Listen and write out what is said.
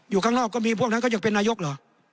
อยู่ข้างนอกก็มีพวกนั้นเขาอยากเป็นนายกเหรอ